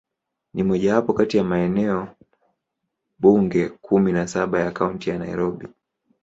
Ni mojawapo kati ya maeneo bunge kumi na saba ya Kaunti ya Nairobi.